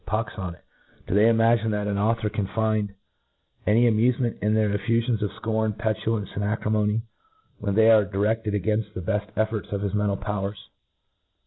Pox on't ! do they imagine that an author can find 8 PREFACE. find any amufement in their cfFufions of icoril, petulance, and acrimony, when they are direft cd againft the bcft efforts of his mental pow ers?